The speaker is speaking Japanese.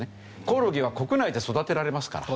コオロギは国内で育てられますから。